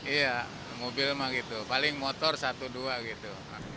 iya mobil mah gitu paling motor satu dua gitu